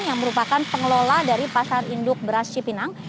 yang merupakan pengelola dari pasar induk beras cipinang